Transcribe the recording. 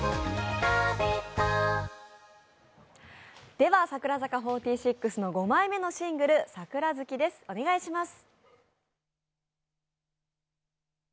では、櫻坂４６の５枚目のシングル、「桜月」です、お願いします。